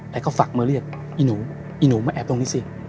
แต่ก็ฝักมือเรียกอีหนูอีหนูมาแอบตรงนี้สิ